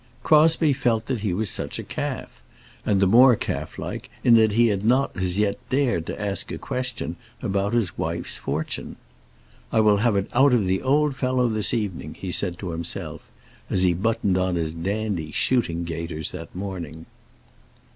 Crosbie felt that he was such a calf, and the more calf like, in that he had not as yet dared to ask a question about his wife's fortune. "I will have it out of the old fellow this evening," he said to himself, as he buttoned on his dandy shooting gaiters that morning.